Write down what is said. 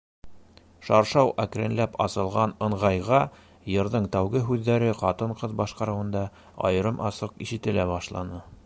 Шаршау әкренләп асылған ыңғайға йырҙың тәүге һүҙҙәре ҡатын-ҡыҙ башҡарыуында айырым- асыҡ ишетелә башланы: